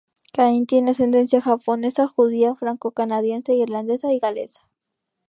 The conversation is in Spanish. Cain tiene ascendencia japonesa, judía, francocanadiense, irlandesa y galesa.